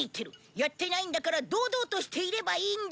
やってないんだから堂々としていればいいんだ。